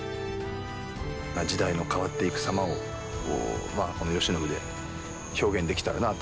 時代の変わっていく様をこの慶喜で表現できたらなぁと。